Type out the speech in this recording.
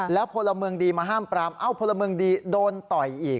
แล้วพลเมืองดีมาห้ามปรามเอ้าพลเมืองดีโดนต่อยอีก